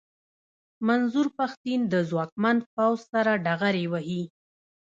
منظور پښتين د ځواکمن پوځ سره ډغرې وهي.